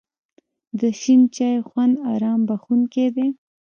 د شین چای خوند آرام بښونکی دی.